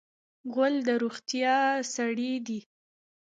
غول د روغتیا سړی دی.